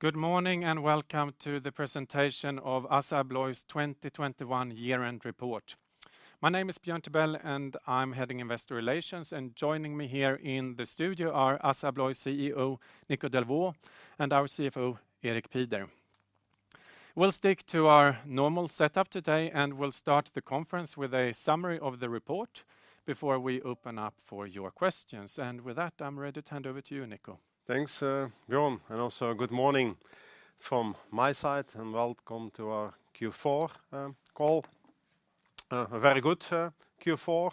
Good morning, and welcome to the presentation of ASSA ABLOY's 2021 year-end report. My name is Björn Tibell, and I'm heading Investor Relations. Joining me here in the studio are ASSA ABLOY CEO Nico Delvaux and our CFO, Erik Pieder. We'll stick to our normal setup today, and we'll start the conference with a summary of the report before we open up for your questions. With that, I'm ready to hand over to you, Nico. Thanks, Björn, and also good morning from my side, and welcome to our Q4 call. A very good Q4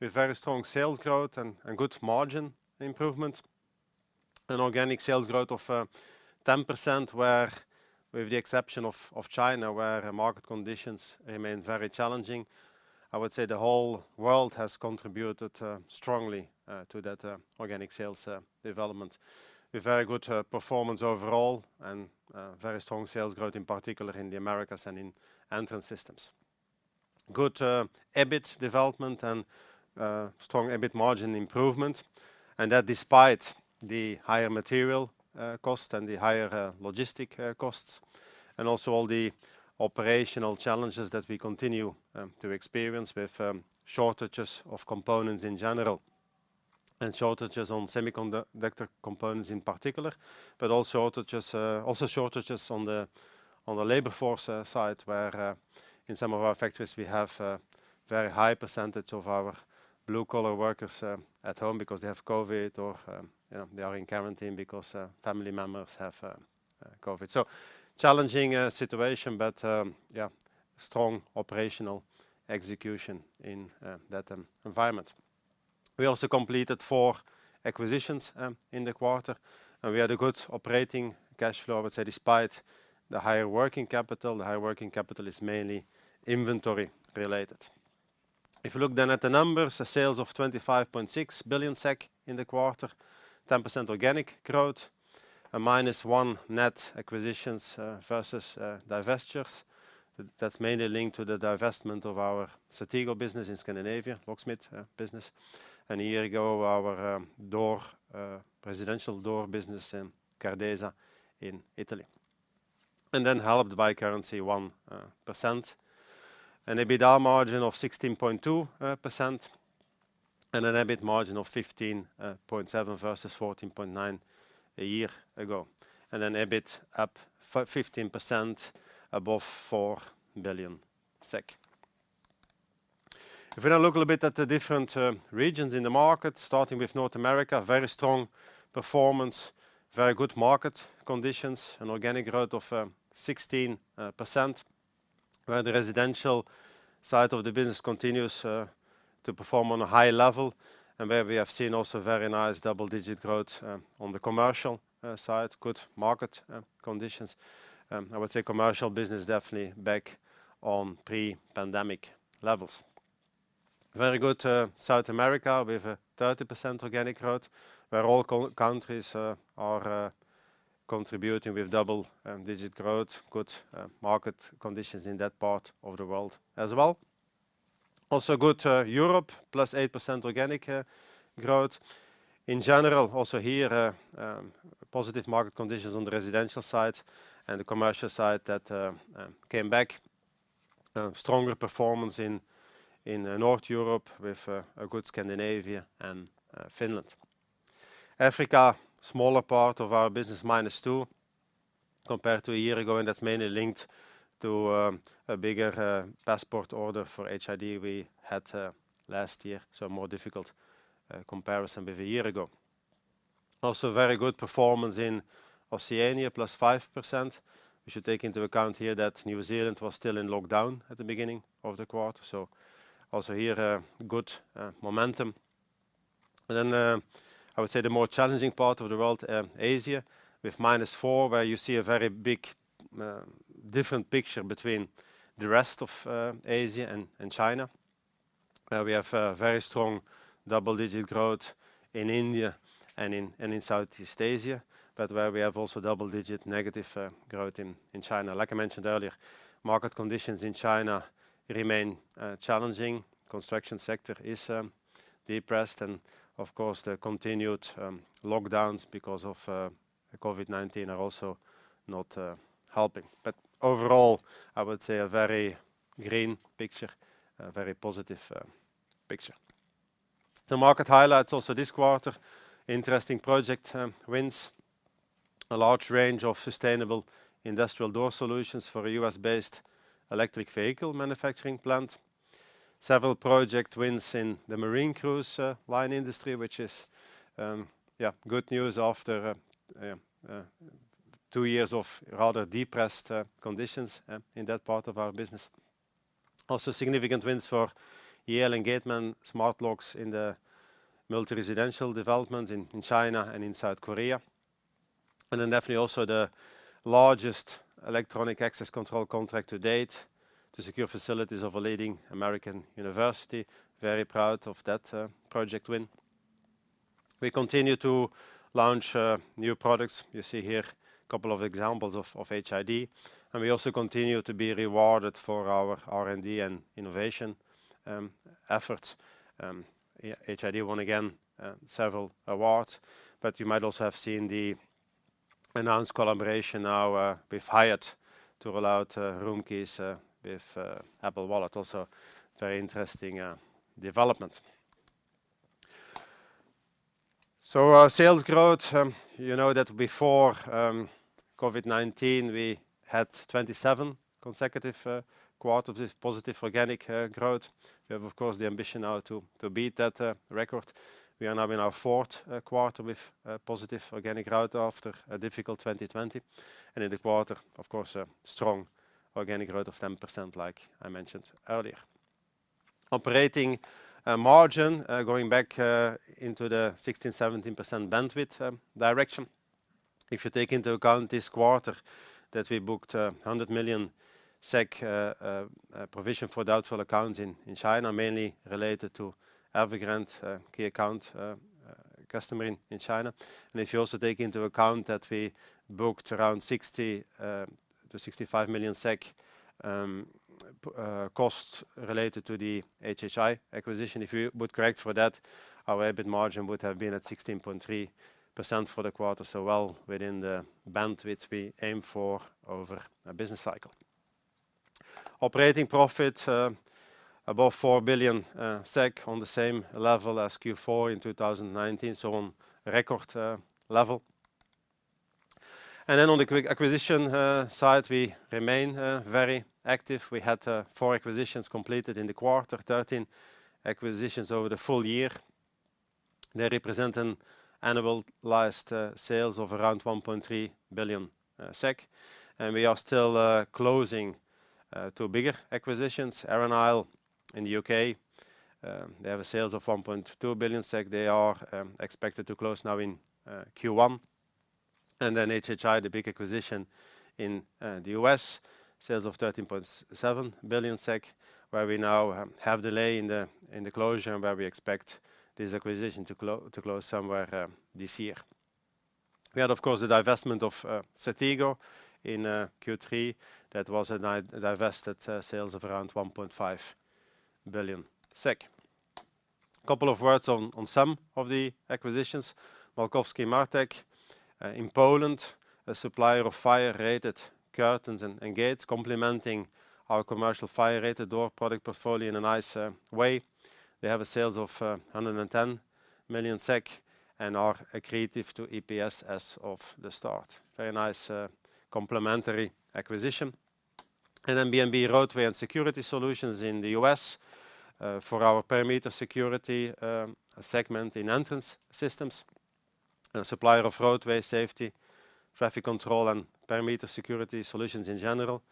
with very strong sales growth and good margin improvement. An organic sales growth of 10% where, with the exception of China, where market conditions remain very challenging. I would say the whole world has contributed strongly to that organic sales development. A very good performance overall and very strong sales growth, in particular in the Americas and in Entrance Systems. Good EBIT development and strong EBIT margin improvement, and that despite the higher material cost and the higher logistic costs, and also all the operational challenges that we continue to experience with shortages of components in general and shortages of semiconductor components in particular. Also to just, also shortages on the labor force side, where in some of our factories, we have a very high percentage of our blue-collar workers at home because they have COVID or, you know, they are in quarantine because family members have COVID. Challenging situation, but yeah, strong operational execution in that environment. We also completed four acquisitions in the quarter, and we had a good operating cash flow. I would say despite the higher working capital, the higher working capital is mainly inventory related. If you look then at the numbers, the sales of 25.6 billion SEK in the quarter, 10% organic growth, a -1 net acquisitions versus divestitures. That's mainly linked to the divestment of our CERTEGO business in Scandinavia, locksmith business, and a year ago our door residential door business in Gardesa in Italy. Helped by currency 1%, an EBITDA margin of 16.2%, and an EBIT margin of 15.7% versus 14.9% a year ago. EBIT up 15% above SEK 4 billion. If we now look a little bit at the different regions in the market, starting with North America, very strong performance, very good market conditions, an organic growth of 16%, where the residential side of the business continues to perform on a high level and where we have seen also very nice double-digit growth on the commercial side, good market conditions. I would say commercial business definitely back on pre-pandemic levels. Very good South America with a 30% organic growth, where all countries are contributing with double-digit growth, good market conditions in that part of the world as well. Also good Europe, +8% organic growth. In general, also here, positive market conditions on the residential side and the commercial side that came back. Stronger performance in North Europe with a good Scandinavia and Finland. Africa, smaller part of our business, -2% compared to a year ago, and that's mainly linked to a bigger passport order for HID we had last year. So a more difficult comparison with a year ago. Also very good performance in Oceania, +5%. We should take into account here that New Zealand was still in lockdown at the beginning of the quarter. Also here good momentum. I would say the more challenging part of the world, Asia, with -4%, where you see a very big different picture between the rest of Asia and China. We have very strong double-digit growth in India and in Southeast Asia, but where we have also double-digit negative growth in China. Like I mentioned earlier, market conditions in China remain challenging. Construction sector is depressed and of course the continued lockdowns because of COVID-19 are also not helping. Overall, I would say a very green picture, a very positive picture. The market highlights also this quarter: interesting project wins a large range of sustainable industrial door solutions for a U.S.-based electric vehicle manufacturing plant. Several project wins in the marine cruise line industry, which is, yeah, good news after two years of rather depressed conditions in that part of our business. Also significant wins for Yale and Gateman smart locks in the multi-residential development in China and in South Korea. Then definitely also the largest electronic access control contract to date to secure facilities of a leading American university. Very proud of that project win. We continue to launch new products. You see here a couple of examples of HID. We also continue to be rewarded for our R&D and innovation efforts. Yeah, HID won again several awards, but you might also have seen the announced collaboration now with Hyatt to roll out room keys with Apple Wallet. Also very interesting development. Our sales growth, you know that before COVID-19, we had 27 consecutive quarters with positive organic growth. We have, of course, the ambition now to beat that record. We are now in our fourth quarter with positive organic growth after a difficult 2020. In the quarter, of course, a strong organic growth of 10%, like I mentioned earlier. Operating margin going back into the 16%-17% bandwidth direction. If you take into account this quarter that we booked 100 million SEK provision for doubtful accounts in China, mainly related to Evergrande key account customer in China. If you also take into account that we booked around 60 million-65 million SEK cost related to the HHI acquisition. If we would correct for that, our EBIT margin would have been at 16.3% for the quarter, so well within the bandwidth we aim for over a business cycle. Operating profit above 4 billion SEK on the same level as Q4 in 2019, so on record level. On the acquisition side, we remain very active. We had four acquisitions completed in the quarter, 13 acquisitions over the full year. They represent an annualized sales of around 1.3 billion SEK. We are still closing two bigger acquisitions. Arran Isle in the U.K., they have sales of 1.2 billion SEK. They are expected to close now in Q1. HHI, the big acquisition in the U.S., sales of 13.7 billion SEK, where we now have delay in the closure, where we expect this acquisition to close somewhere this year. We had, of course, the divestment of CERTEGO in Q3. That was a divested sales of around 1.5 billion. Couple of words on some of the acquisitions. Małkowski-Martech in Poland, a supplier of fire-rated curtains and gates, complementing our commercial fire-rated door product portfolio in a nice way. They have sales of 110 million SEK and are accretive to EPS from the start. Very nice complementary acquisition. B&B Roadway and Security Solutions in the U.S., for our perimeter security segment in Entrance Systems. A supplier of roadway safety, traffic control, and perimeter security solutions in general.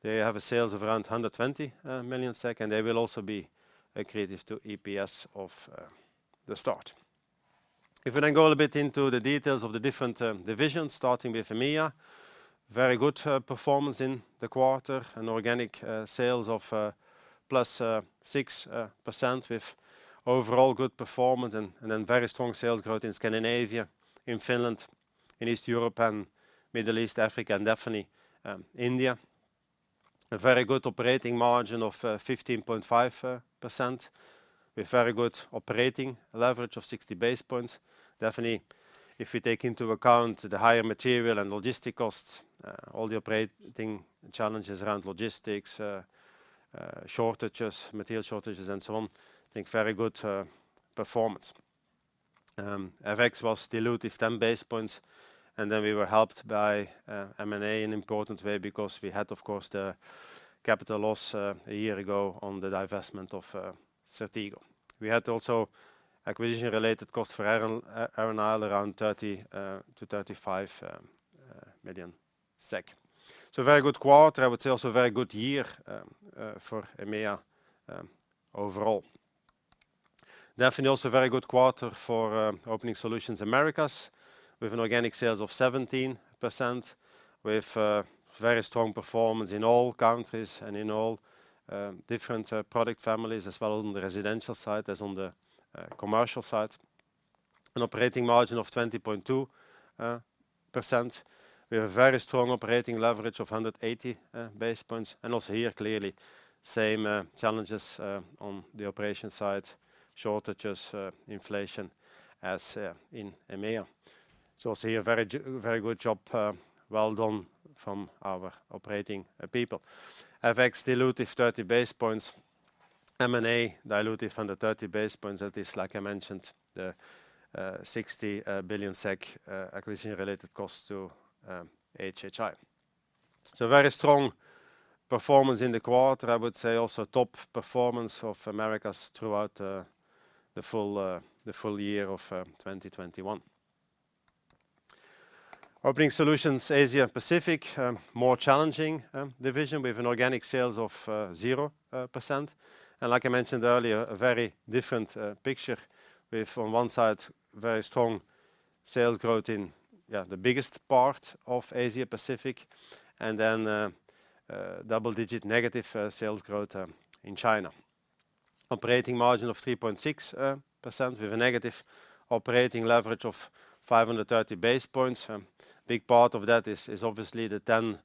They have sales of around 120 million SEK, and they will also be accretive to EPS from the start. If we go a bit into the details of the different divisions, starting with EMEA. Very good performance in the quarter and organic sales of +6% with overall good performance and then very strong sales growth in Scandinavia, in Finland, in Eastern Europe and Middle East, Africa, and definitely India. A very good operating margin of 15.5% with very good operating leverage of 60 base points. Definitely, if we take into account the higher material and logistic costs, all the operating challenges around logistics, shortages, material shortages, and so on, I think very good performance. FX was dilutive 10 base points, and then we were helped by M&A in an important way because we had, of course, the capital loss a year ago on the divestment of CERTEGO. We had also acquisition-related costs for Arran Isle around 30 million-35 million SEK. Very good quarter. I would say also very good year for EMEA overall. Definitely also very good quarter for Opening Solutions Americas with an organic sales of 17%, with very strong performance in all countries and in all different product families as well on the residential side as on the commercial side. An operating margin of 20.2%. We have a very strong operating leverage of 180 basis points. Also here, clearly same challenges on the operation side, shortages, inflation as in EMEA. Very good job, well done from our operating people. FX dilutive 30 basis points. M&A dilutive 130 basis points. That is, like I mentioned, the 60 billion SEK acquisition-related costs to HHI. Very strong performance in the quarter. I would say also top performance of Americas throughout the full year of 2021. Opening Solutions Asia Pacific, more challenging division with an organic sales of 0%. Like I mentioned earlier, a very different picture with on one side very strong sales growth in the biggest part of Asia Pacific, and then double digit negative sales growth in China. Operating margin of 3.6% with a negative operating leverage of 530 basis points. Big part of that is obviously the 100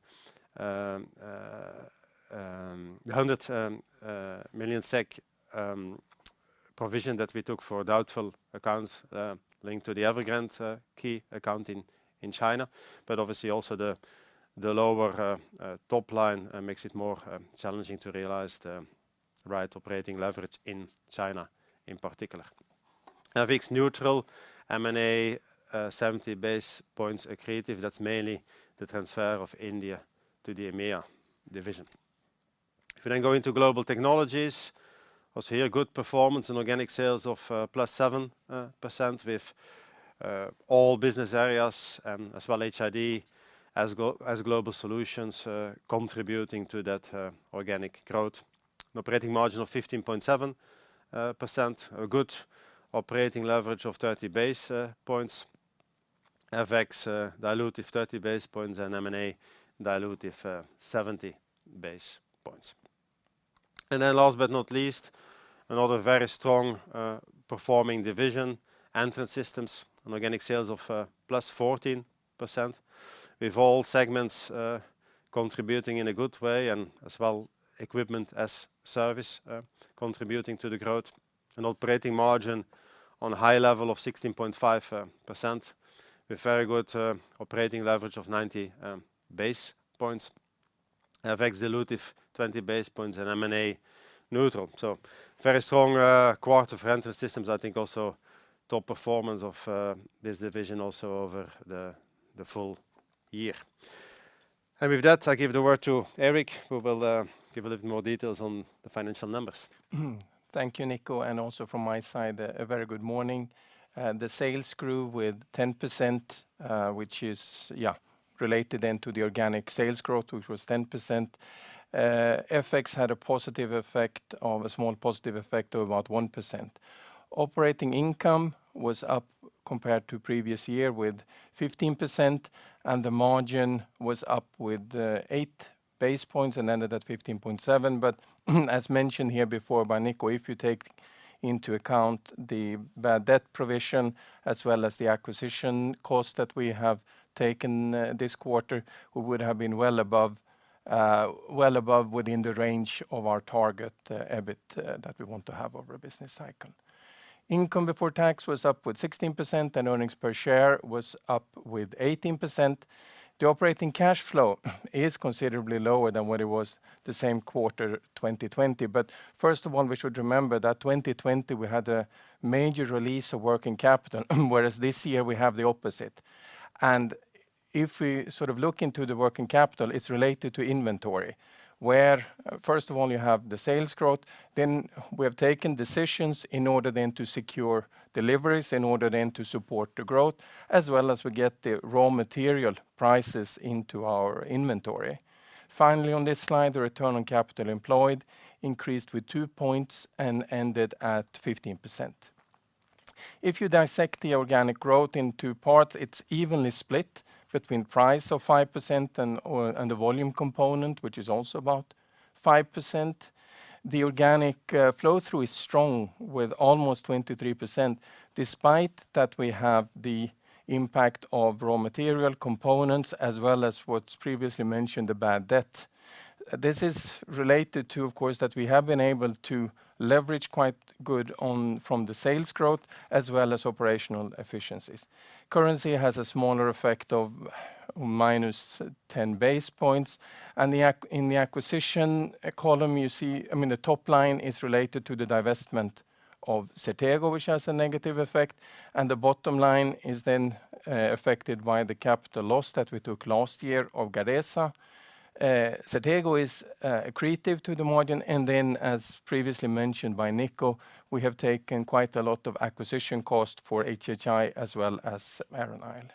million SEK provision that we took for doubtful accounts linked to the Evergrande key account in China. Obviously also the lower top line makes it more challenging to realize the right operating leverage in China in particular. FX neutral, M&A 70 basis points accretive. That's mainly the transfer of India to the EMEA division. If we then go into Global Technologies, also here good performance and organic sales of +7% with all business areas as well as HID as Global Solutions contributing to that organic growth. An operating margin of 15.7%. A good operating leverage of 30 basis points. FX dilutive 30 basis points and M&A dilutive 70 basis points. Then last but not least, another very strong performing division, Entrance Systems. Organic sales of +14% with all segments contributing in a good way and as well equipment as service contributing to the growth. Operating margin on a high level of 16.5% with very good operating leverage of 90 basis points. FX dilutive 20 basis points and M&A neutral. Very strong quarter for Entrance Systems. I think also top performance of this division also over the full year. With that, I give the word to Erik, who will give a little more details on the financial numbers. Thank you, Nico, and also from my side, a very good morning. The sales grew with 10%, which is related then to the organic sales growth, which was 10%. FX had a small positive effect of about 1%. Operating income was up compared to previous year with 15%, and the margin was up with 8 basis points and ended at 15.7%. As mentioned here before by Nico, if you take into account the bad debt provision as well as the acquisition cost that we have taken this quarter, we would have been well above within the range of our target EBIT that we want to have over a business cycle. Income before tax was up with 16% and earnings per share was up with 18%. The operating cash flow is considerably lower than what it was the same quarter 2020. First of all, we should remember that 2020 we had a major release of working capital, whereas this year we have the opposite. If we sort of look into the working capital, it's related to inventory. Where, first of all, you have the sales growth, then we have taken decisions in order then to secure deliveries, in order then to support the growth, as well as we get the raw material prices into our inventory. Finally, on this slide, the return on capital employed increased with 2 points and ended at 15%. If you dissect the organic growth in two parts, it's evenly split between price of 5% or the volume component, which is also about 5%. The organic flow-through is strong with almost 23%, despite that we have the impact of raw material components as well as what's previously mentioned, the bad debt. This is related to, of course, that we have been able to leverage quite good from the sales growth as well as operational efficiencies. Currency has a smaller effect of -10 basis points. In the acquisition column, you see, I mean, the top line is related to the divestment of CERTEGO, which has a negative effect. The bottom line is then affected by the capital loss that we took last year of Gardesa. CERTEGO is accretive to the margin. Then, as previously mentioned by Nico, we have taken quite a lot of acquisition cost for HHI as well as Arran Isle.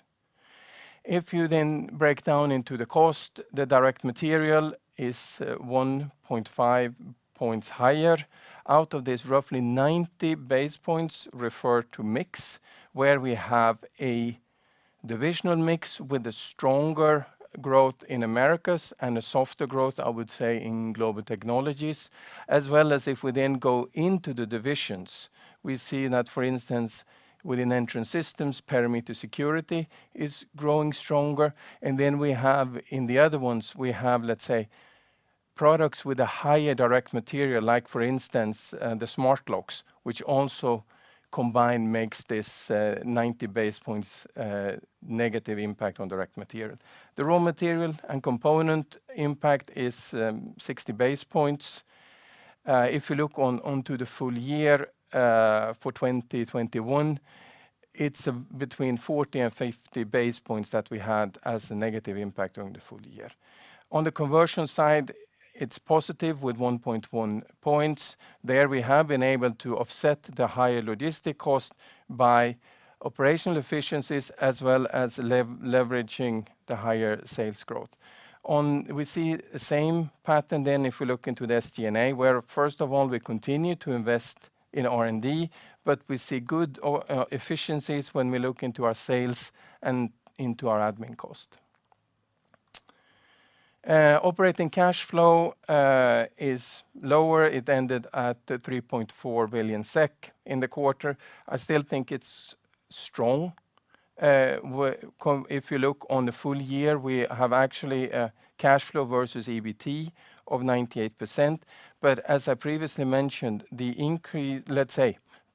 If you then break down into the cost, the direct material is 1.5 points higher. Out of this, roughly 90 basis points refer to mix, where we have a divisional mix with a stronger growth in Americas and a softer growth, I would say, in Global Technologies. As well as if we then go into the divisions, we see that, for instance, within Entrance Systems, perimeter security is growing stronger. We have, in the other ones, let's say, products with a higher direct material, like for instance, the smart locks, which also combined makes this 90 basis points negative impact on direct material. The raw material and component impact is 60 basis points. If you look at the full year for 2021, it's between 40 and 50 basis points that we had as a negative impact during the full year. On the conversion side, it's positive with 1.1 points. There, we have been able to offset the higher logistic cost by operational efficiencies as well as leveraging the higher sales growth. We see the same pattern then if we look into the SG&A, where first of all, we continue to invest in R&D, but we see good efficiencies when we look into our sales and into our admin cost. Operating cash flow is lower. It ended at 3.4 billion SEK in the quarter. I still think it's strong. If you look at the full year, we have actually a cash flow versus EBT of 98%. As I previously mentioned, the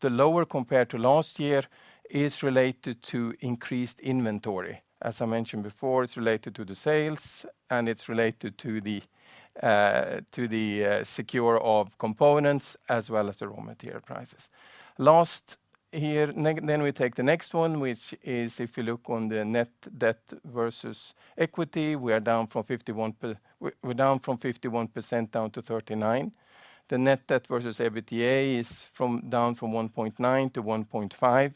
lower compared to last year is related to increased inventory. As I mentioned before, it's related to the sales, and it's related to the securing of components as well as the raw material prices. We take the next one, which is if you look on the net debt versus equity, we're down from 51% down to 39%. The net debt versus EBITDA is down from 1.9 to 1.5.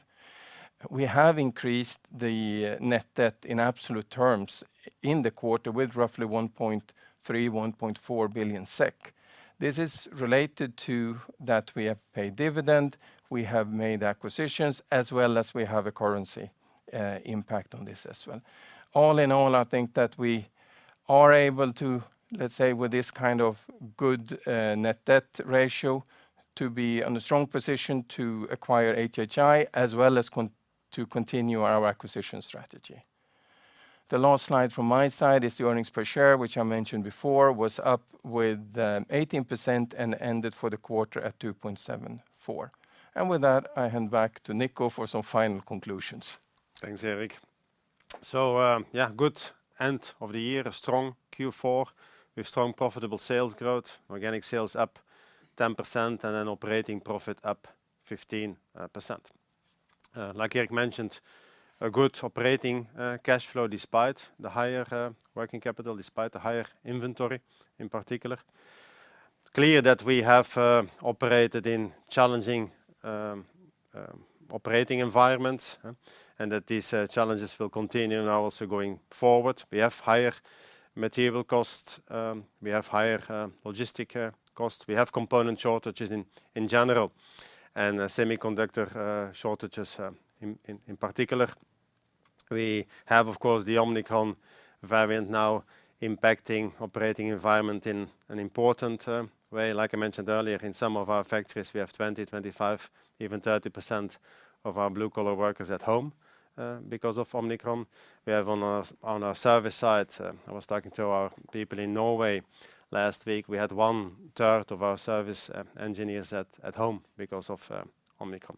We have increased the net debt in absolute terms in the quarter with roughly 1.3 billion-1.4 billion SEK. This is related to that we have paid dividend, we have made acquisitions, as well as we have a currency impact on this as well. All in all, I think that we are able to, let's say, with this kind of good net debt ratio, to be on a strong position to acquire HHI as well as continue our acquisition strategy. The last slide from my side is the earnings per share, which I mentioned before, was up 18% and ended for the quarter at 2.74. With that, I hand back to Nico for some final conclusions. Thanks, Erik. Good end of the year. A strong Q4 with strong profitable sales growth. Organic sales up 10%, and an operating profit up 15%. Like Erik mentioned, a good operating cash flow despite the higher working capital, despite the higher inventory in particular. Clear that we have operated in challenging operating environments. These challenges will continue now also going forward. We have higher material costs. We have higher logistics costs. We have component shortages in general, and semiconductor shortages in particular. We have, of course, the Omicron variant now impacting operating environment in an important way. Like I mentioned earlier, in some of our factories, we have 20%, 25%, even 30% of our blue-collar workers at home because of Omicron. We have on our service side. I was talking to our people in Norway last week. We had one third of our service engineers at home because of Omicron.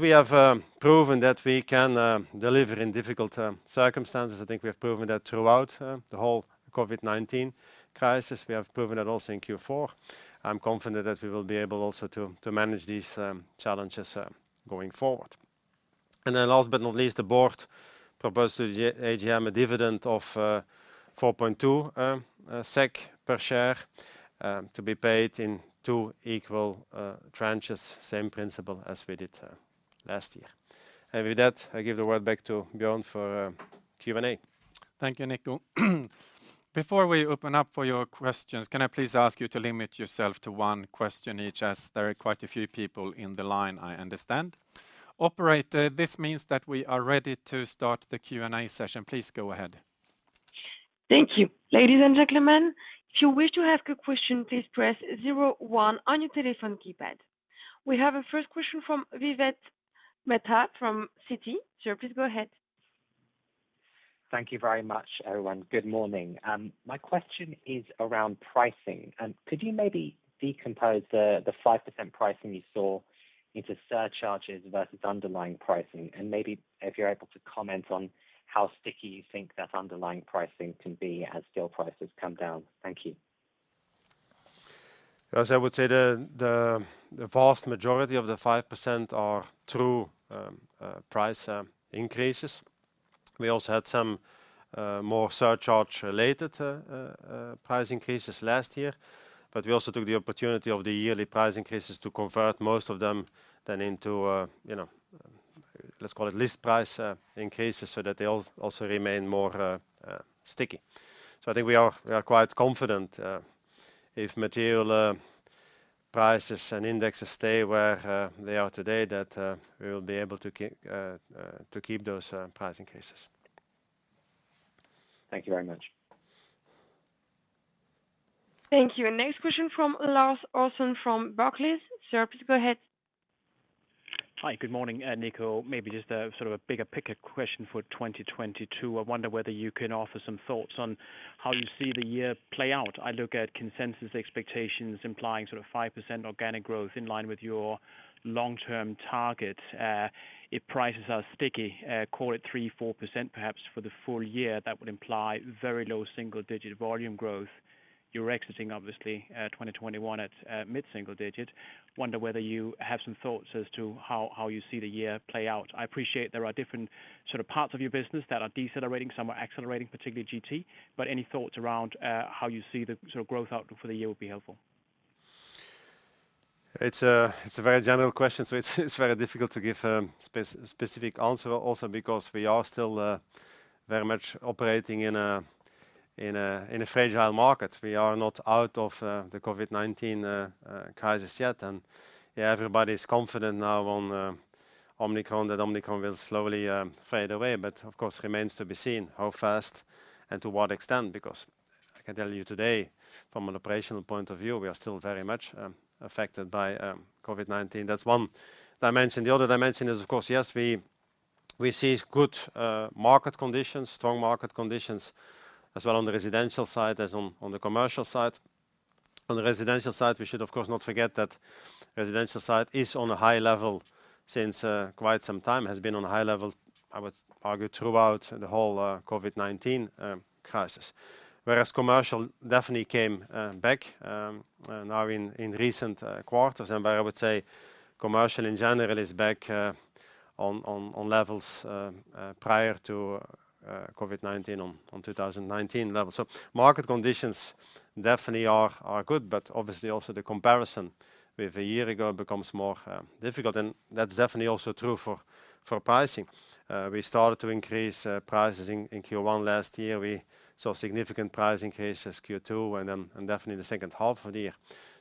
We have proven that we can deliver in difficult circumstances. I think we have proven that throughout the whole COVID-19 crisis. We have proven that also in Q4. I'm confident that we will be able also to manage these challenges going forward. Last but not least, the board proposed to the AGM a dividend of 4.2 SEK per share to be paid in two equal tranches. Same principle as we did last year. With that, I give the word back to Björn for Q&A. Thank you, Nico. Before we open up for your questions, can I please ask you to limit yourself to one question each, as there are quite a few people in the line, I understand. Operator, this means that we are ready to start the Q&A session. Please go ahead. Thank you. Ladies and gentlemen, if you wish to ask a question, please press zero one on your telephone keypad. We have a first question from Vivek Mehta from Citi. Sir, please go ahead. Thank you very much, everyone. Good morning. My question is around pricing. Could you maybe decompose the five percent pricing you saw into surcharges versus underlying pricing? Maybe if you're able to comment on how sticky you think that underlying pricing can be as steel prices come down. Thank you. As I would say, the vast majority of the 5% are through price increases. We also had some more surcharge related price increases last year. We also took the opportunity of the yearly price increases to convert most of them then into, you know, let's call it list price increases, so that they also remain more sticky. I think we are quite confident if material prices and indexes stay where they are today, that we will be able to keep those price increases. Thank you very much. Thank you. Next question from Lars Brorson from Barclays. Sir, please go ahead. Hi. Good morning, Nico. Maybe just a sort of bigger picture question for 2022. I wonder whether you can offer some thoughts on how you see the year play out. I look at consensus expectations implying sort of 5% organic growth in line with your long-term target. If prices are sticky, call it 3%-4% perhaps for the full year, that would imply very low single-digit volume growth. You're exiting obviously 2021 at mid-single-digit. I wonder whether you have some thoughts as to how you see the year play out. I appreciate there are different sort of parts of your business that are decelerating, some are accelerating, particularly GT. Any thoughts around how you see the sort of growth outlook for the year would be helpful. It's a very general question, so it's very difficult to give a specific answer also because we are still very much operating in a fragile market. We are not out of the COVID-19 crisis yet. Everybody's confident now on Omicron, that Omicron will slowly fade away, but of course remains to be seen how fast and to what extent. Because I can tell you today from an operational point of view, we are still very much affected by COVID-19. That's one dimension. The other dimension is of course we see good market conditions, strong market conditions as well on the residential side as on the commercial side. On the residential side, we should of course not forget that residential side is on a high level since quite some time. Has been on a high level, I would argue, throughout the whole COVID-19 crisis. Whereas commercial definitely came back now in recent quarters. I would say commercial in general is back on levels prior to COVID-19 on 2019 levels. Market conditions definitely are good, but obviously also the comparison with a year ago becomes more difficult. That's definitely also true for pricing. We started to increase prices in Q1 last year. We saw significant price increases Q2 and definitely the second half of the year.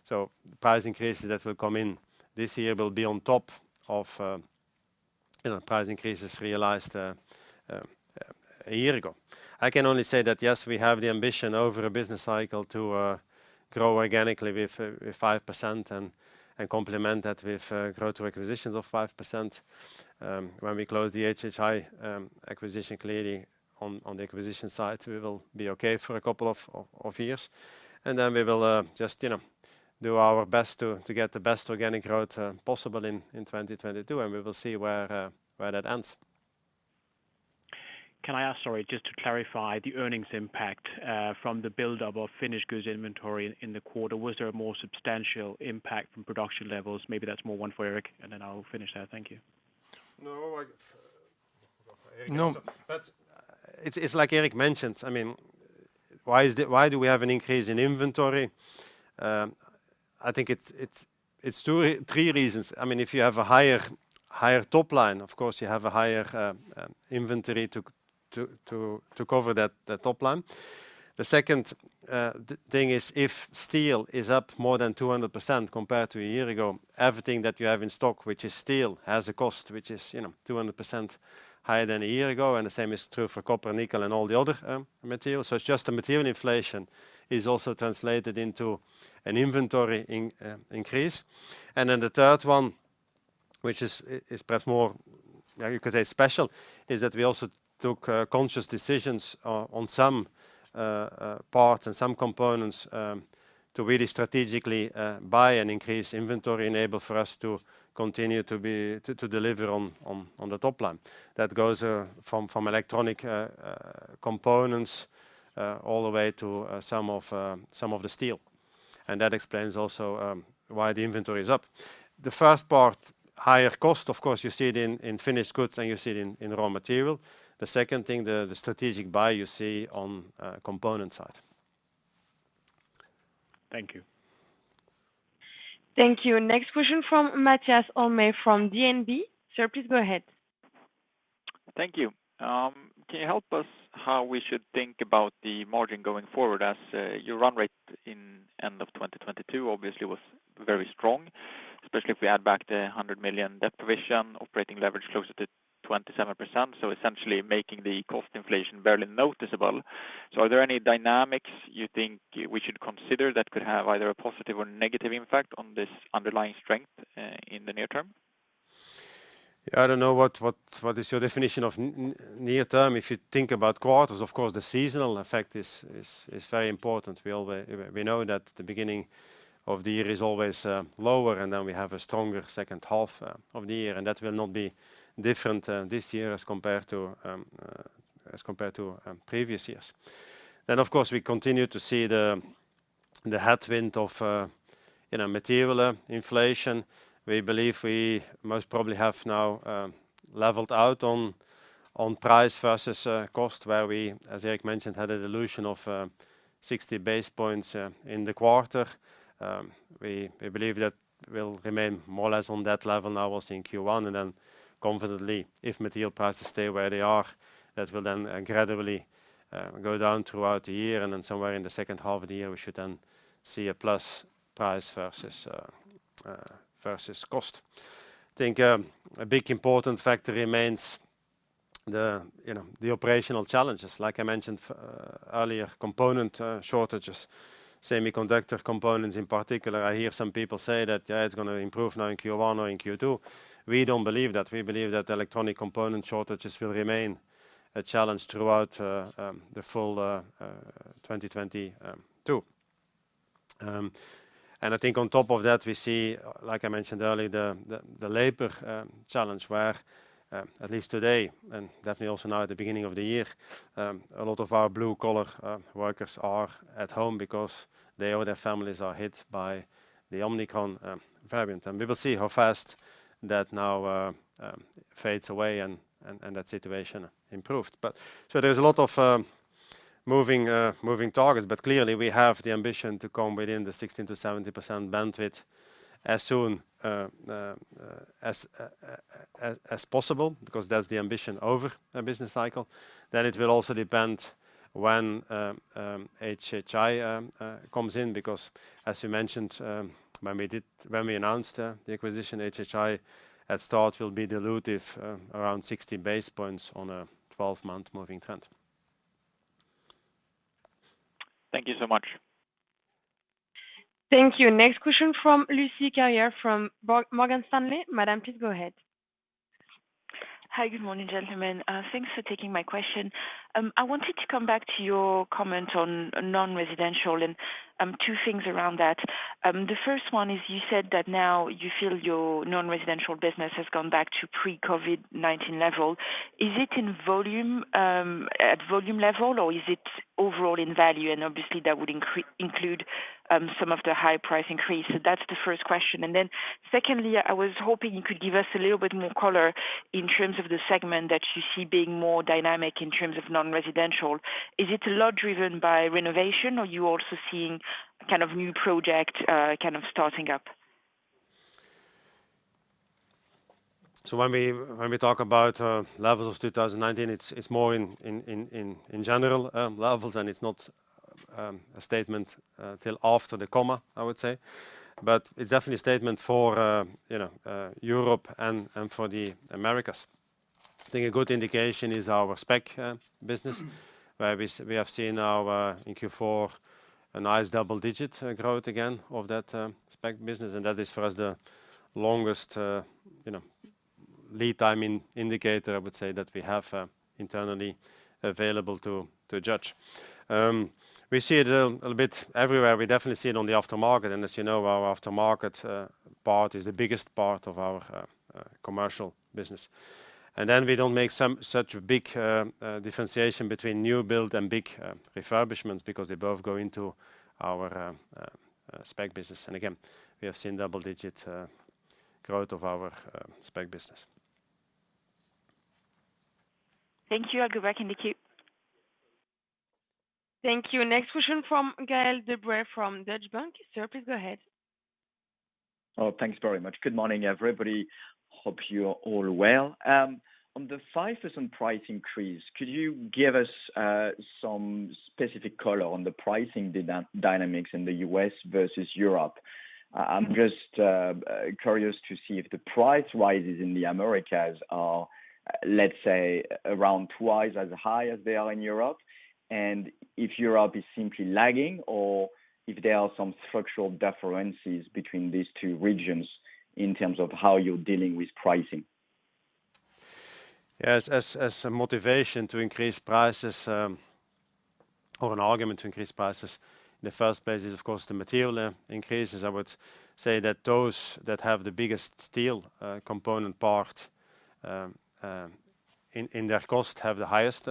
The price increases that will come in this year will be on top of, you know, price increases realized a year ago. I can only say that yes, we have the ambition over a business cycle to grow organically with 5% and complement that with growth or acquisitions of 5%. When we close the HHI acquisition, clearly on the acquisition side, we will be okay for a couple of years, and then we will just, you know, do our best to get the best organic growth possible in 2022, and we will see where that ends. Can I ask, sorry, just to clarify the earnings impact from the buildup of finished goods inventory in the quarter. Was there a more substantial impact from production levels? Maybe that's more one for Erik, and then I'll finish there. Thank you. No. It's like Erik mentioned. I mean, why do we have an increase in inventory? I think it's three reasons. I mean, if you have a higher top line, of course you have a higher inventory to cover that top line. The second thing is if steel is up more than 200% compared to a year ago, everything that you have in stock, which is steel, has a cost, which is, you know, 200% higher than a year ago. And the same is true for copper and nickel and all the other materials. It's just the material inflation is also translated into an inventory increase. The third one, which is perhaps more, you could say special, is that we also took conscious decisions on some parts and some components to really strategically buy and increase inventory to enable us to continue to deliver on the top line. That goes from electronic components all the way to some of the steel. That explains also why the inventory is up. The first part, higher cost, of course, you see it in finished goods and you see it in raw material. The second thing, the strategic buy you see on component side. Thank you. Thank you. Next question from Mattias Holmberg from DNB. Sir, please go ahead. Thank you. Can you help us how we should think about the margin going forward as your run rate in end of 2022 obviously was very strong, especially if we add back the 100 million debt provision, operating leverage closer to 27%. Essentially making the cost inflation barely noticeable. Are there any dynamics you think we should consider that could have either a positive or negative impact on this underlying strength in the near term? Yeah, I don't know what is your definition of near term. If you think about quarters, of course, the seasonal effect is very important. We know that the beginning of the year is always lower, and then we have a stronger second half of the year. That will not be different this year as compared to previous years. Of course, we continue to see the headwind of you know, material inflation. We believe we most probably have now leveled out on price versus cost, where we, as Erik mentioned, had a dilution of 60 basis points in the quarter. We believe that will remain more or less on that level now as in Q1, and then confidently, if material prices stay where they are, that will then gradually go down throughout the year. Then somewhere in the second half of the year, we should then see a plus price versus versus cost. I think a big important factor remains the, you know, the operational challenges. Like I mentioned earlier, component shortages, semiconductor components in particular. I hear some people say that, "Yeah, it's gonna improve now in Q1 or in Q2." We don't believe that. We believe that electronic component shortages will remain a challenge throughout the full 2022. I think on top of that, we see, like I mentioned earlier, the labor challenge where, at least today and definitely also now at the beginning of the year, a lot of our blue collar workers are at home because they or their families are hit by the Omicron variant. We will see how fast that now fades away and that situation improved. There's a lot of moving targets, but clearly we have the ambition to come within the 60%-70% bandwidth as soon as possible, because that's the ambition over a business cycle. It will also depend when HHI comes in, because as you mentioned, when we announced the acquisition, HHI at start will be dilutive, around 60 basis points on a 12-month moving trend. Thank you so much. Thank you. Next question from Lucie Carrier from Morgan Stanley. Madame, please go ahead. Hi. Good morning, gentlemen. Thanks for taking my question. I wanted to come back to your comment on non-residential and two things around that. The first one is you said that now you feel your non-residential business has gone back to pre-COVID-19 level. Is it in volume, at volume level or is it overall in value? And obviously that would include some of the high price increase. So that's the first question. And then secondly, I was hoping you could give us a little bit more color in terms of the segment that you see being more dynamic in terms of non-residential. Is it a lot driven by renovation or you're also seeing kind of new project kind of starting up? When we talk about levels of 2019, it's more in general levels, and it's not a statement till after the comma, I would say. It's definitely a statement for you know Europe and for the Americas. I think a good indication is our spec business where we have seen in Q4 a nice double-digit growth again of that spec business. That is for us the longest you know lead time in indicator, I would say, that we have internally available to judge. We see it a bit everywhere. We definitely see it on the aftermarket. As you know, our aftermarket part is the biggest part of our commercial business. We don't make some such big differentiation between new build and big refurbishments because they both go into our spec business. We have seen double-digit growth of our spec business. Thank you. I'll go back in the queue. Thank you. Next question from Gael De Bray from Deutsche Bank. Sir, please go ahead. Oh, thanks very much. Good morning, everybody. Hope you're all well. On the 5% price increase, could you give us some specific color on the pricing dynamics in the U.S. versus Europe? I'm just curious to see if the price rises in the Americas are, let's say, around twice as high as they are in Europe, and if Europe is simply lagging or if there are some structural differences between these two regions in terms of how you're dealing with pricing. As a motivation to increase prices, or an argument to increase prices, in the first place is of course the material increases. I would say that those that have the biggest steel component part in their cost have the highest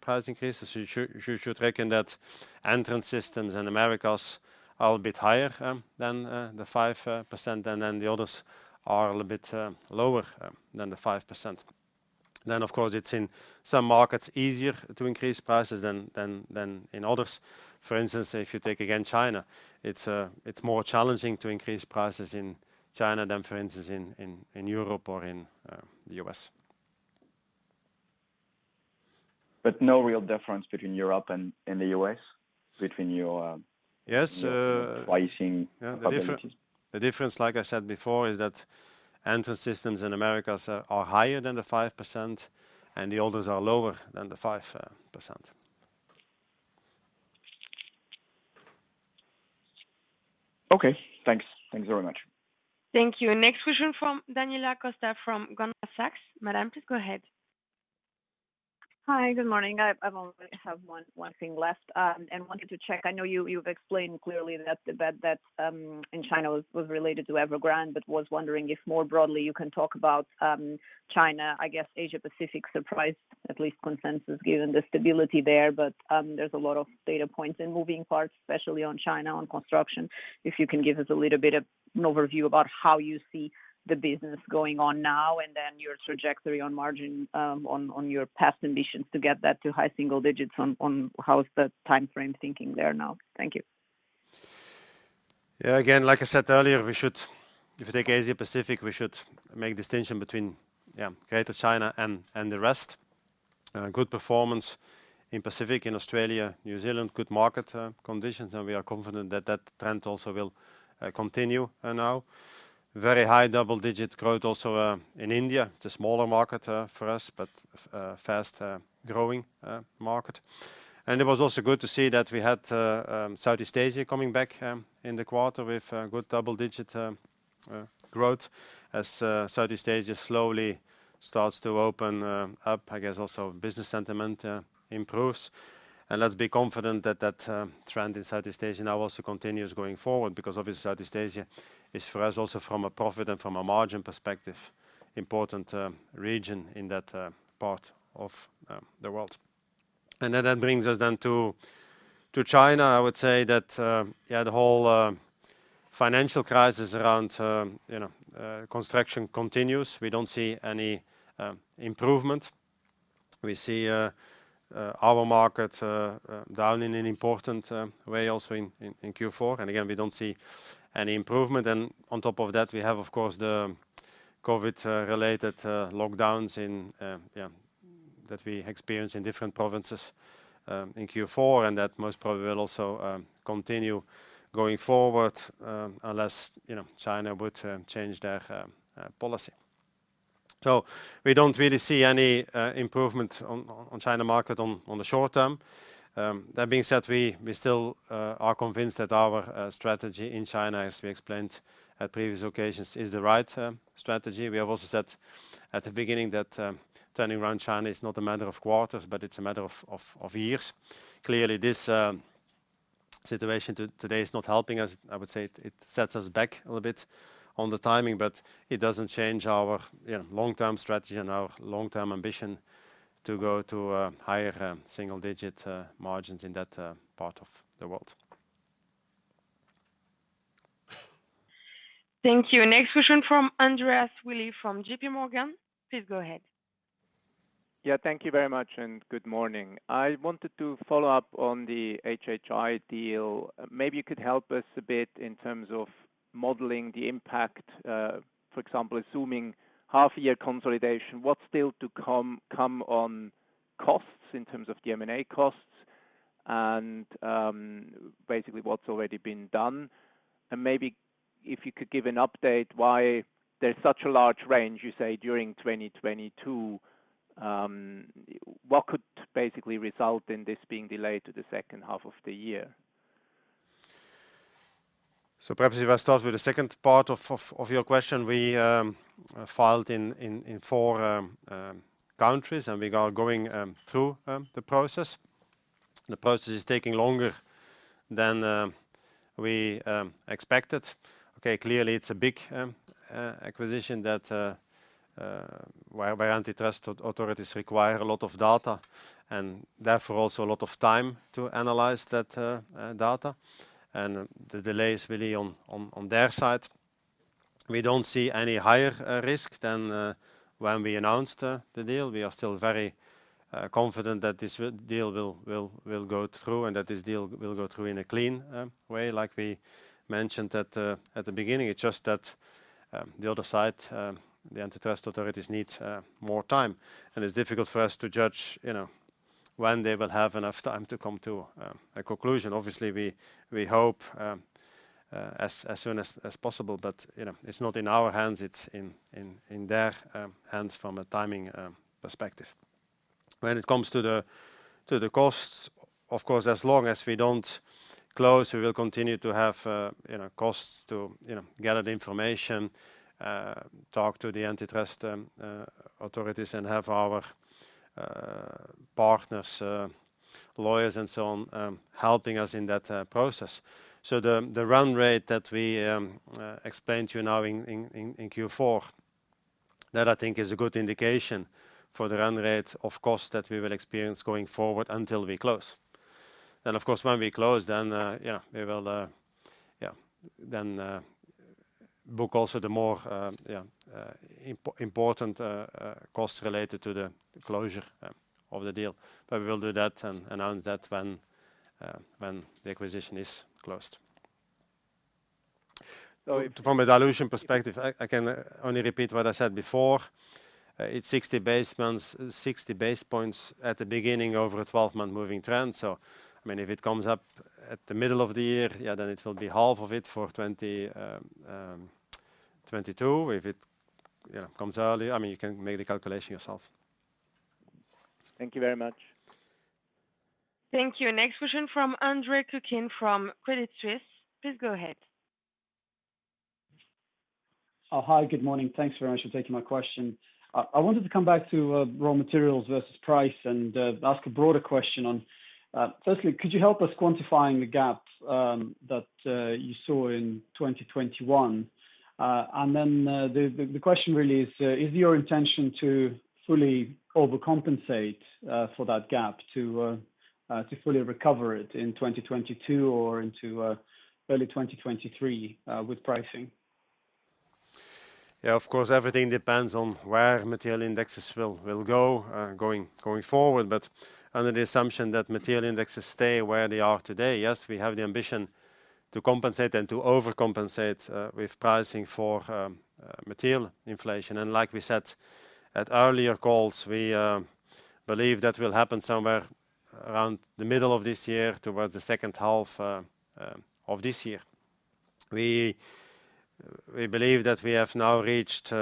price increases. You should reckon that Entrance Systems in Americas are a bit higher than the 5%, and then the others are a little bit lower than the 5%. Of course, it's in some markets easier to increase prices than in others. For instance, if you take again China, it's more challenging to increase prices in China than, for instance, in Europe or in the U.S. No real difference between Europe and the U.S., between your Yes. your pricing capabilities? Yeah. The difference, like I said before, is that Entrance Systems in Americas are higher than 5% and the others are lower than 5%. Okay, thanks. Thanks very much. Thank you. Next question from Daniela Costa from Goldman Sachs. Madam, please go ahead. Hi. Good morning. I only have one thing left and wanted to check. I know you've explained clearly that the bad debt in China was related to Evergrande, but was wondering if more broadly you can talk about China, I guess Asia Pacific surprise, at least consensus, given the stability there. There's a lot of data points and moving parts, especially on China, on construction. If you can give us a little bit of an overview about how you see the business going on now and then your trajectory on margin, on your past ambitions to get that to high single digits, on how is the timeframe thinking there now. Thank you. Yeah. Again, like I said earlier, if we take Asia Pacific, we should make distinction between Greater China and the rest. Good performance in Pacific, in Australia, New Zealand, good market conditions, and we are confident that that trend also will continue now. Very high double-digit growth also in India. It's a smaller market for us, but fast growing market. It was also good to see that we had South East Asia coming back in the quarter with good double-digit growth. As South East Asia slowly starts to open up, I guess also business sentiment improves. Let's be confident that that trend in South East Asia now also continues going forward because obviously South East Asia is for us also from a profit and from a margin perspective important region in that part of the world. Then that brings us then to China. I would say that yeah the whole financial crisis around you know construction continues. We don't see any improvement. We see our market down in an important way also in Q4. Again we don't see any improvement. On top of that, we have, of course, the COVID related lockdowns that we experience in different provinces in Q4, and that most probably will also continue going forward unless you know China would change their policy. We don't really see any improvement on China market on the short term. That being said, we still are convinced that our strategy in China, as we explained at previous occasions, is the right strategy. We have also said at the beginning that turning around China is not a matter of quarters, but it's a matter of years. Clearly, this situation today is not helping us. I would say it sets us back a little bit on the timing, but it doesn't change our, you know, long-term strategy and our long-term ambition to go to higher single digit margins in that part of the world. Thank you. Next question from Andreas Willi from J.P. Morgan. Please go ahead. Yeah, thank you very much, and good morning. I wanted to follow up on the HHI deal. Maybe you could help us a bit in terms of modeling the impact, for example, assuming half year consolidation, what's still to come on costs in terms of the M&A costs and, basically what's already been done? Maybe if you could give an update why there's such a large range, you say, during 2022, what could basically result in this being delayed to the second half of the year? Perhaps if I start with the second part of your question. We filed in four countries, and we are going through the process. The process is taking longer than we expected. Okay. Clearly it's a big acquisition that where antitrust authorities require a lot of data and therefore also a lot of time to analyze that data. The delay is really on their side. We don't see any higher risk than when we announced the deal. We are still very confident that this deal will go through, and that this deal will go through in a clean way. Like we mentioned at the beginning, it's just that the other side the antitrust authorities need more time, and it's difficult for us to judge, you know, when they will have enough time to come to a conclusion. Obviously, we hope as soon as possible, but you know, it's not in our hands, it's in their hands from a timing perspective. When it comes to the costs, of course, as long as we don't close, we will continue to have you know costs to you know gather the information, talk to the antitrust authorities and have our partners lawyers and so on helping us in that process. The run rate that we explained to you now in Q4 that I think is a good indication for the run rate of cost that we will experience going forward until we close. Of course when we close, we will book also the more important costs related to the closure of the deal. We will do that and announce that when the acquisition is closed. From a dilution perspective, I can only repeat what I said before. It's 60 basis points at the beginning over a 12-month moving trend. I mean, if it comes up at the middle of the year, then it will be half of it for 2022. If it, you know, comes early, I mean, you can make the calculation yourself. Thank you very much. Thank you. Next question from Andre Kukhnin from Credit Suisse. Please go ahead. Oh, hi. Good morning. Thanks very much for taking my question. I wanted to come back to raw materials versus price and ask a broader question on firstly, could you help us quantifying the gap that you saw in 2021? The question really is your intention to fully overcompensate for that gap to fully recover it in 2022 or into early 2023 with pricing? Yeah, of course, everything depends on where material indexes will go going forward. Under the assumption that material indexes stay where they are today, yes, we have the ambition to compensate and to overcompensate with pricing for material inflation. Like we said at earlier calls, we believe that will happen somewhere around the middle of this year, towards the second half of this year. We believe that we have now reached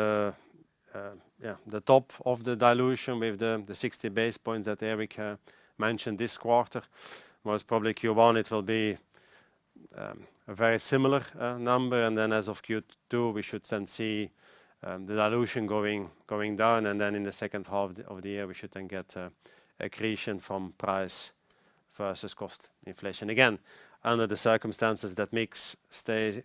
the top of the dilution with the 60 basis points that Erik mentioned this quarter. Most probably Q1 it will be a very similar number. Then as of Q2, we should then see the dilution going down, and then in the second half of the year, we should then get accretion from price versus cost inflation. Under the circumstances that mix stays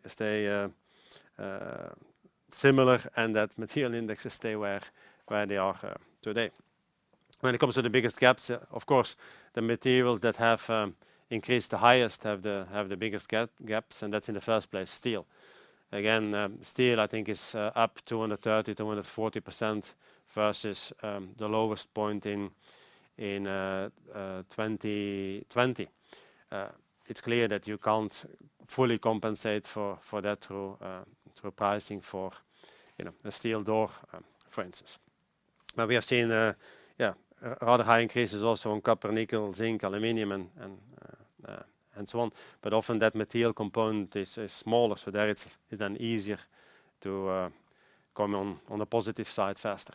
similar and that material indexes stay where they are today. When it comes to the biggest gaps, of course, the materials that have increased the highest have the biggest gaps, and that's in the first place, steel. Steel I think is up 230%-240% versus the lowest point in 2020. It's clear that you can't fully compensate for that through pricing for, you know, a steel door for instance. We have seen rather high increases also in copper, nickel, zinc, aluminum and so on. Often that material component is smaller, so there it's then easier to come out on a positive side faster.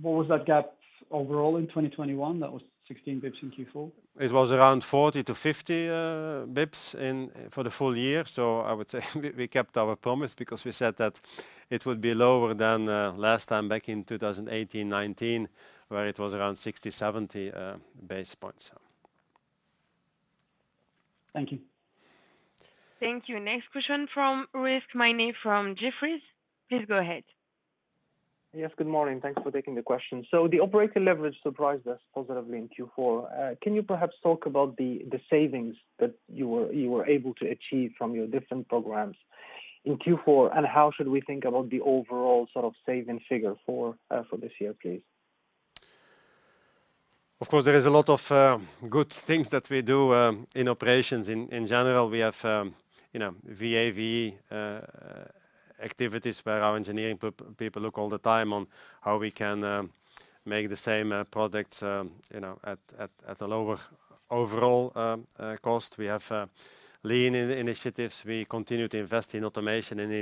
What was that gap overall in 2021? That was 16 basis points in Q4. It was around 40-50 basis points for the full year. I would say we kept our promise because we said that it would be lower than last time back in 2018, 2019, where it was around 60, 70 basis points. Thank you. Thank you. Next question from Rizk Maidi from Jefferies. Please go ahead. Yes, good morning. Thanks for taking the question. The operational leverage surprised us positively in Q4. Can you perhaps talk about the savings that you were able to achieve from your different programs in Q4, and how should we think about the overall sort of saving figure for this year, please? Of course, there is a lot of good things that we do in operations. In general, we have, you know, VA/VE activities where our engineering people look all the time on how we can make the same products, you know, at a lower overall cost. We have lean initiatives. We continue to invest in automation and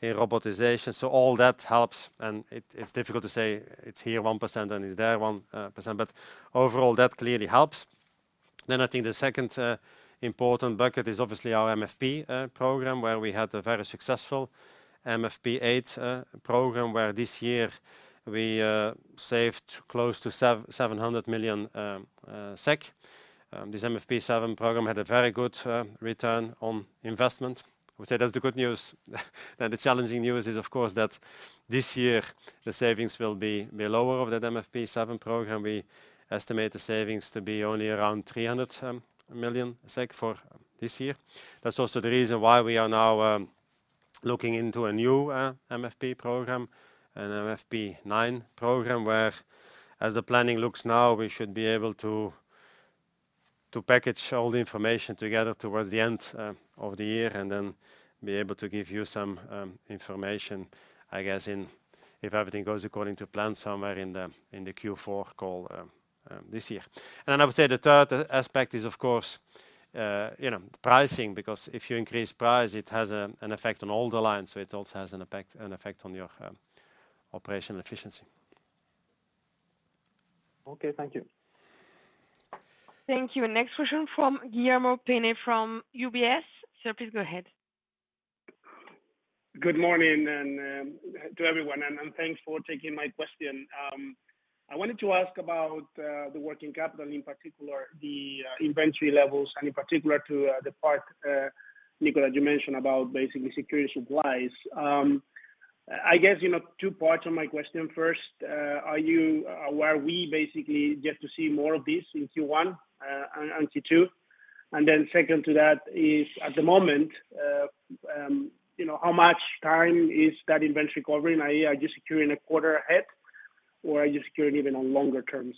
in robotization. All that helps, and it's difficult to say it's here 1% and it's there 1%, but overall, that clearly helps. I think the second important bucket is obviously our MFP program, where we had a very successful MFP 8 program, where this year we saved close to 700 million SEK. This MFP 7 program had a very good return on investment. We say that's the good news. The challenging news is, of course, that this year the savings will be below of that MFP 7 program. We estimate the savings to be only around 300 million SEK for this year. That's also the reason why we are now looking into a new MFP program, an MFP 9 program, whereas the planning looks now, we should be able to package all the information together towards the end of the year and then be able to give you some information, I guess if everything goes according to plan somewhere in the Q4 call this year. I would say the third aspect is of course, you know, pricing, because if you increase price, it has an effect on all the lines, so it also has an effect on your operational efficiency. Okay. Thank you. Thank you. Next question from Guillermo Peigneux Lojo from UBS. Sir, please go ahead. Good morning to everyone and thanks for taking my question. I wanted to ask about the working capital, in particular the inventory levels and in particular to the part, Nico, you mentioned about basically securing supplies. I guess, you know, two parts on my question. First, are we basically yet to see more of this in Q1 and Q2? Second to that is at the moment, you know, how much time is that inventory covering, i.e., are you securing a quarter ahead or are you securing even on longer terms?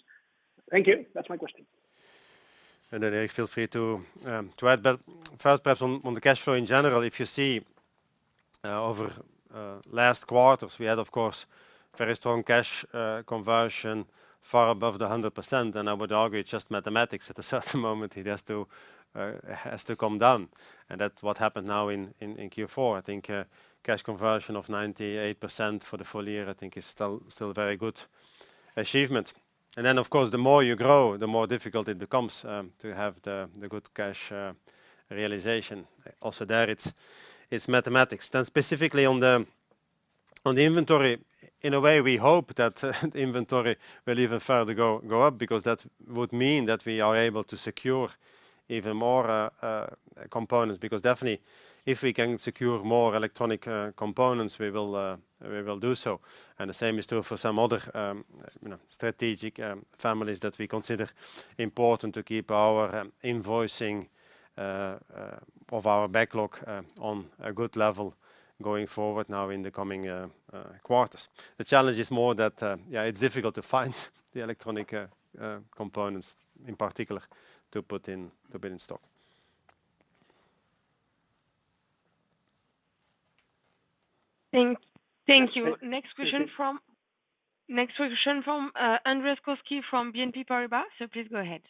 Thank you. That's my question. Erik, feel free to add. First perhaps on the cash flow in general. If you see over last quarters, we had, of course, very strong cash conversion far above 100%. I would argue it's just mathematics. At a certain moment, it has to come down. That's what happened now in Q4. I think cash conversion of 98% for the full year, I think is still a very good achievement. Of course, the more you grow, the more difficult it becomes to have the good cash realization. Also there, it's mathematics. Specifically on the inventory, in a way, we hope that the inventory will even further go up because that would mean that we are able to secure even more components. Because definitely if we can secure more electronic components, we will do so. The same is true for some other, you know, strategic families that we consider important to keep our invoicing of our backlog on a good level going forward now in the coming quarters. The challenge is more that, yeah, it's difficult to find the electronic components in particular to build in stock. Thank you. Next question from Yeah, please. Next question from Andreas Koski from BNP Paribas. Sir, please go ahead.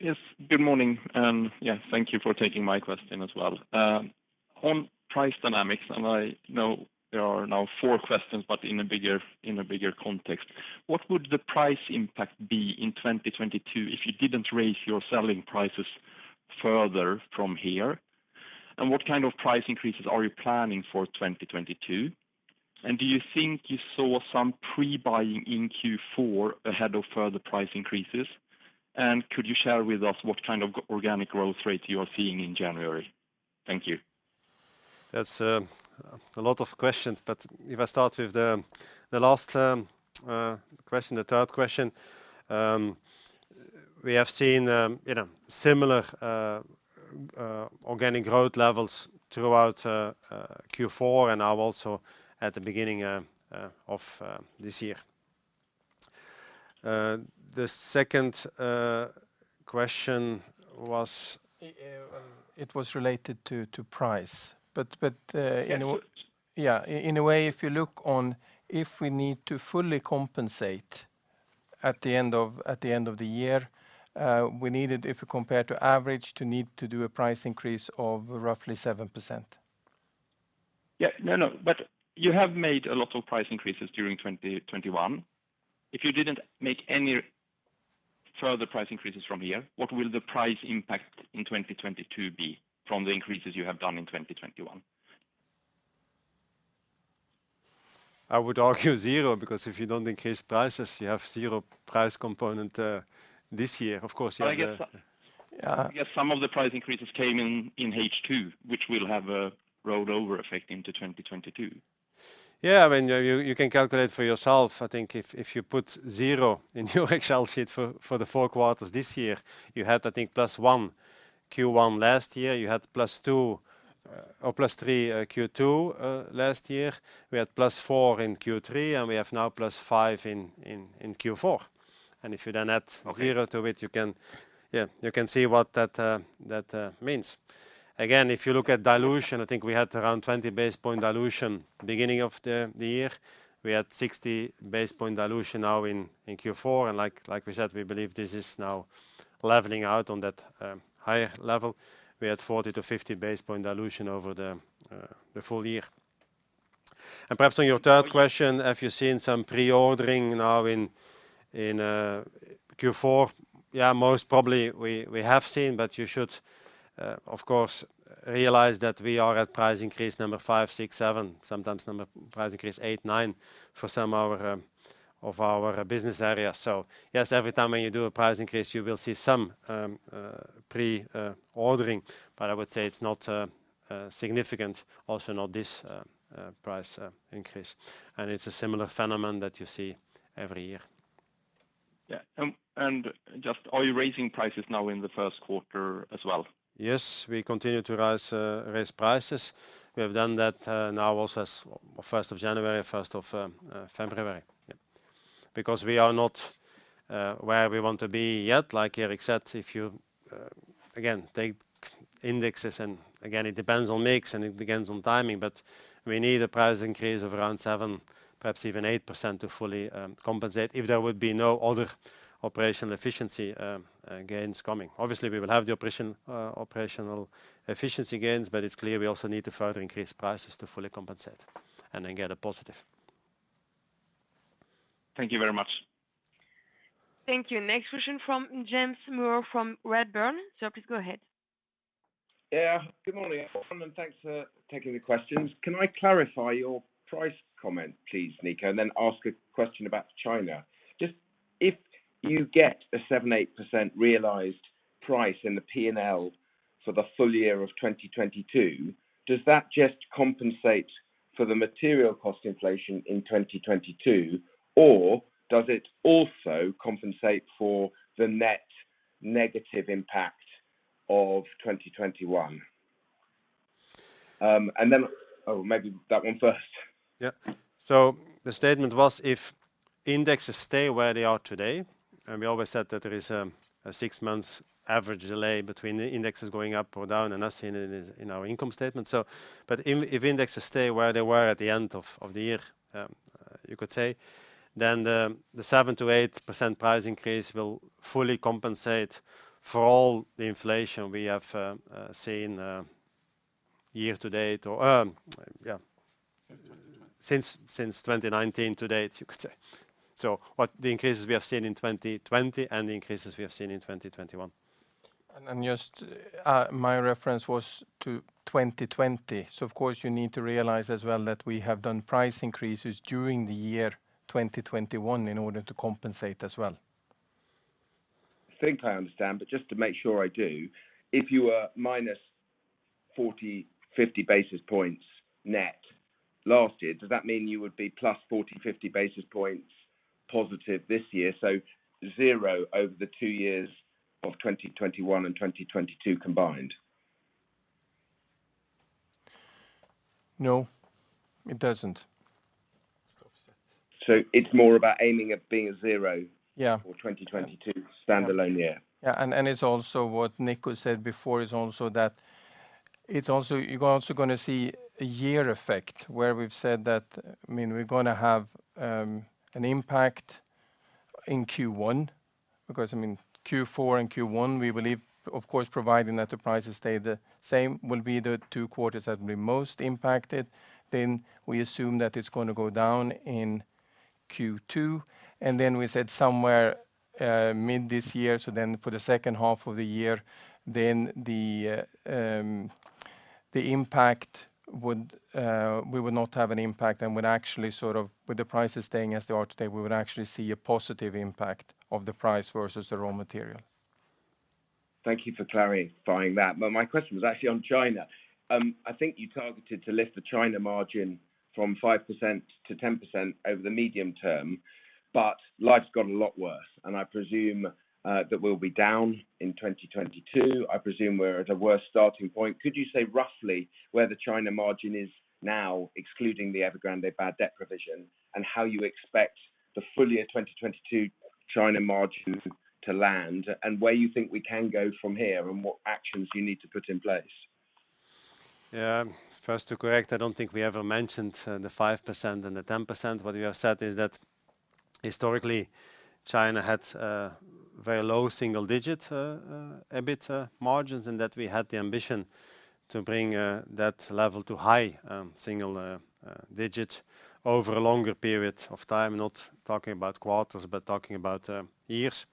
Yes. Good morning, and yeah, thank you for taking my question as well. On price dynamics, and I know there are now four questions, but in a bigger context. What would the price impact be in 2022 if you didn't raise your selling prices further from here? And what kind of price increases are you planning for 2022? And do you think you saw some pre-buying in Q4 ahead of further price increases? And could you share with us what kind of organic growth rate you are seeing in January? Thank you. That's a lot of questions, but if I start with the last question, the third question. We have seen you know similar organic growth levels throughout Q4 and now also at the beginning of this year. The second question was, it was related to price in a way. Yes. Yeah, in a way, if you look at if we need to fully compensate at the end of the year, we needed, if we compare to average, to need to do a price increase of roughly 7%. Yeah. No, no. You have made a lot of price increases during 2021. If you didn't make any further price increases from here, what will the price impact in 2022 be from the increases you have done in 2021? I would argue zero, because if you don't increase prices, you have zero price component, this year. Of course, you have the- I guess. I guess some of the price increases came in in H2, which will have a rollover effect into 2022. Yeah. I mean, you can calculate for yourself. I think if you put 0 in your Excel sheet for the four quarters this year, you had, I think, +1 Q1 last year. You had +2, or +3, Q2 last year. We had +4 in Q3, and we have now +5 in Q4. If you then add- Okay Zero to it, you can, yeah, you can see what that means. Again, if you look at dilution, I think we had around 20 basis point dilution beginning of the year. We had 60 basis point dilution now in Q4. Like we said, we believe this is now leveling out on that higher level. We had 40-50 basis point dilution over the full year. Perhaps on your third question, have you seen some pre-ordering now in Q4? Yeah, most probably we have seen, but you should of course realize that we are at price increase number 5, 6, 7, sometimes price increase 8, 9 for some of our business areas. Yes, every time when you do a price increase, you will see some pre-ordering. I would say it's not significant, also not this price increase. It's a similar phenomenon that you see every year. Yeah. Just, are you raising prices now in the first quarter as well? Yes, we continue to raise prices. We have done that now also as of 1st of January, 1st of February. Because we are not where we want to be yet. Like Erik said, if you again take indexes, and again, it depends on mix, and it depends on timing. We need a price increase of around 7, perhaps even 8% to fully compensate if there would be no other operational efficiency gains coming. Obviously, we will have the operational efficiency gains, but it's clear we also need to further increase prices to fully compensate, and then get a positive. Thank you very much. Thank you. Next question from James Moore from Redburn. Sir, please go ahead. Good morning, everyone, and thanks for taking the questions. Can I clarify your price comment please, Nico, and then ask a question about China? Just if you get a 7%-8% realized price in the P&L for the full year of 2022, does that just compensate for the material cost inflation in 2022, or does it also compensate for the net negative impact of 2021? Yeah. The statement was if indexes stay where they are today, and we always said that there is a six months average delay between the indexes going up or down and us seeing it in our income statement. But if indexes stay where they were at the end of the year, you could say, then the 7%-8% price increase will fully compensate for all the inflation we have seen year to date or yeah. Since 2020. Since 2019 to date, you could say. What the increases we have seen in 2020 and the increases we have seen in 2021. Just my reference was to 2020. Of course, you need to realize as well that we have done price increases during the year 2021 in order to compensate as well. I think I understand, but just to make sure I do, if you are minus 40-50 basis points net last year, does that mean you would be plus 40-50 basis points positive this year? Zero over the two years of 2021 and 2022 combined. No, it doesn't. It's offset. It's more about aiming at being zero- Yeah... for 2022 standalone year. Yeah. It's also what Nico said before is also that it's also you're gonna see a year effect where we've said that, I mean, we're gonna have an impact in Q1. Because, I mean, Q4 and Q1, we believe, of course, providing that the prices stay the same, will be the two quarters that will be most impacted. We assume that it's gonna go down in Q2. We said somewhere mid this year, so then for the second half of the year, then the impact we would not have an impact and would actually sort of with the prices staying as they are today, we would actually see a positive impact of the price versus the raw material. Thank you for clarifying that. My question was actually on China. I think you targeted to lift the China margin from 5% to 10% over the medium term, but life's gotten a lot worse, and I presume that we'll be down in 2022. I presume we're at a worse starting point. Could you say roughly where the China margin is now, excluding the Evergrande bad debt provision, and how you expect the full year 2022 China margin to land, and where you think we can go from here, and what actions you need to put in place? Yeah. First to correct, I don't think we ever mentioned the 5% and the 10%. What we have said is that historically, China had very low single-digit EBIT margins, and that we had the ambition to bring that level to high single-digit over a longer period of time. Not talking about quarters, but talking about years.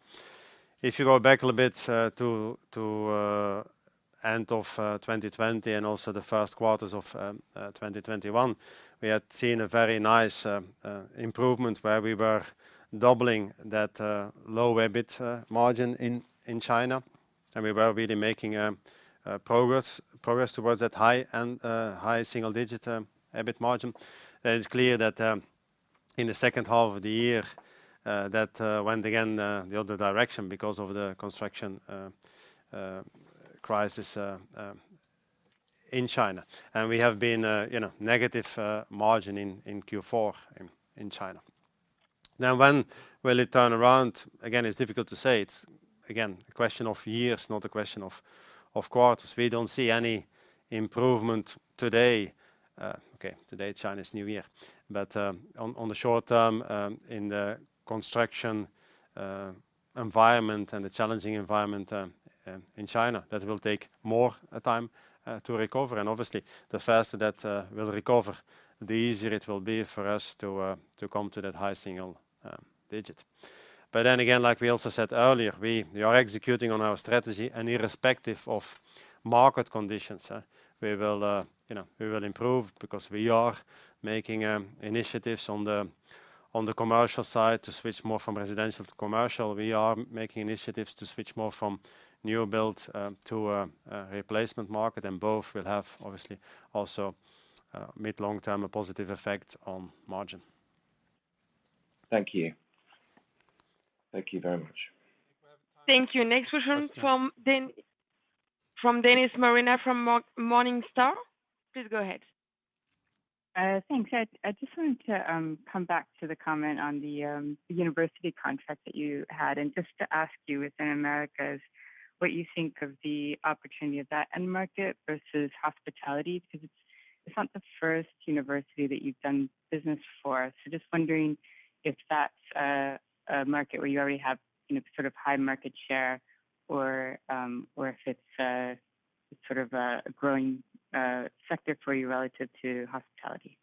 If you go back a little bit to end of 2020 and also the first quarters of 2021, we had seen a very nice improvement where we were doubling that low EBIT margin in China. We were really making progress towards that high single-digit EBIT margin. It's clear that in the second half of the year that went again the other direction because of the construction crisis in China. We have been negative margin in Q4 in China. Now when will it turn around? Again, it's difficult to say. It's again a question of years, not a question of quarters. We don't see any improvement today. Today Chinese New Year. On the short term in the construction environment and the challenging environment in China, that will take more time to recover. Obviously the faster that will recover, the easier it will be for us to come to that high single digit. Then again, like we also said earlier, we... We are executing on our strategy and irrespective of market conditions, we will, you know, improve because we are making initiatives on the commercial side to switch more from residential to commercial. We are making initiatives to switch more from new build to a replacement market. Both will have obviously also mid long term a positive effect on margin. Thank you. Thank you very much. Thank you. Next question from Denise Molina from Morningstar. Please go ahead. Thanks. I just wanted to come back to the comment on the university contract that you had and just to ask you within Americas what you think of the opportunity of that end market versus hospitality, because it's not the first university that you've done business for. Just wondering if that's a market where you already have, you know, sort of high market share or if it's sort of a growing sector for you relative to hospitality.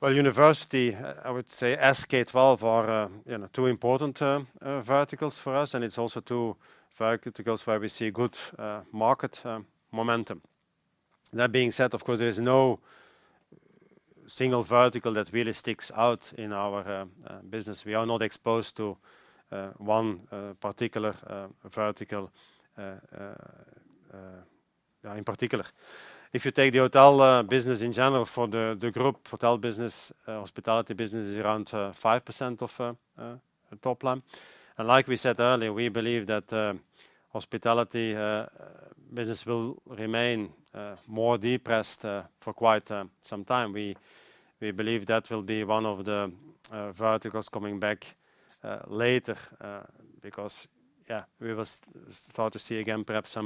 Well, university and K-12 are, you know, two important verticals for us, and it's also two verticals where we see good market momentum. That being said, of course, there is no single vertical that really sticks out in our business. We are not exposed to one particular vertical in particular. If you take the hotel business in general for the group hotel business, hospitality business is around 5% of top line. Like we said earlier, we believe that hospitality business will remain more depressed for quite some time. We believe that will be one of the verticals coming back later because we will start to see again perhaps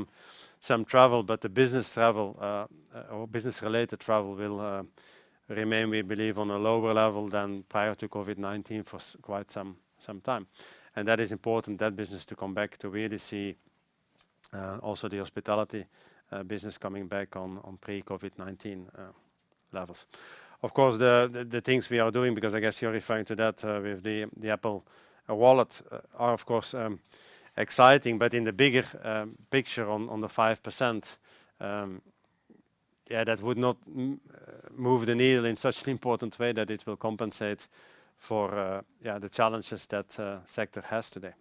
some travel, but the business travel or business related travel will remain, we believe, on a lower level than prior to COVID-19 for quite some time. That is important, that business to come back to really see also the hospitality business coming back on pre-COVID-19 levels. Of course, the things we are doing, because I guess you're referring to that with the Apple Wallet are of course exciting, but in the bigger picture on the 5%, that would not move the needle in such an important way that it will compensate for the challenges that sector has today.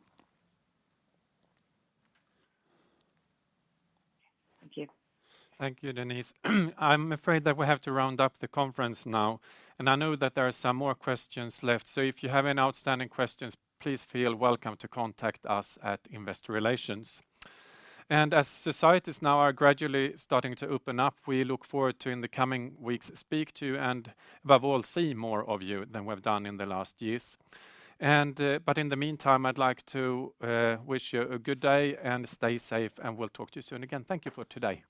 Thank you. Thank you, Denise. I'm afraid that we have to round up the conference now. I know that there are some more questions left. If you have any outstanding questions, please feel welcome to contact us at Investor Relations. As societies now are gradually starting to open up, we look forward to, in the coming weeks, speak to and above all see more of you than we've done in the last years. In the meantime, I'd like to wish you a good day and stay safe, and we'll talk to you soon again. Thank you for today.